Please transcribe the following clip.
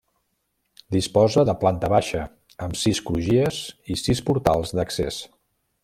Disposa de planta baixa, amb sis crugies i sis portals d'accés.